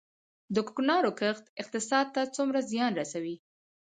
د کوکنارو کښت اقتصاد ته څومره زیان رسوي؟